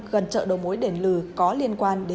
gần chợ đồ mối đền lừ có liên quan đến ca nhiễm